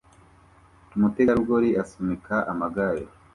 Umutegarugori asunika amagare